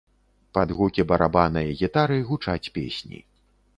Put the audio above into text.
Пад гукі барабана і гітары гучаць песні.